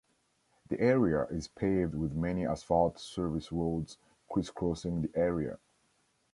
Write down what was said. The area is paved with many asphalt service roads crisscrossing the area.